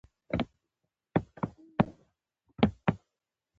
سياست د ګټو لوبه ده.